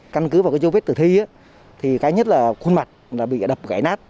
căn cứ vào cái dấu vết tử thi thì cái nhất là khuôn mặt là bị đập gãy nát